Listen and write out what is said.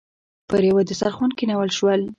پر یوه دسترخوان کېنول شول.